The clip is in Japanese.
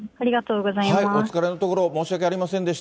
お疲れのところ、申し訳ありませんでした。